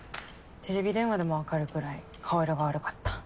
テレビ電話でも分かるくらい顔色が悪かった。